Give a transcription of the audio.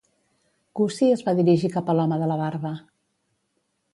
Gussie es va dirigir cap a l'home de la barba.